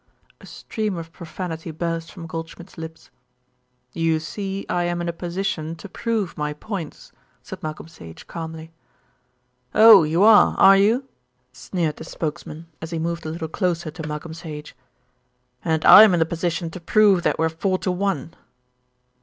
A stream of profanity burst from Goldschmidt's lips. "You see I am in a position to prove my points," said Malcolm Sage calmly. "Oh! you are, are you?" sneered the spokesman, as he moved a little closer to Malcolm Sage, "and I am in the position to prove that we're four to one."